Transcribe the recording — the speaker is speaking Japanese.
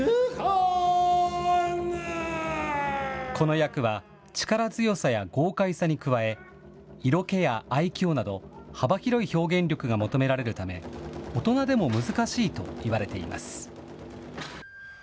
この役は力強さや豪快さに加え色気や愛嬌など幅広い表現力が求められるため大人でも難しいと言われています。